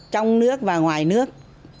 trong nước và ngoài nước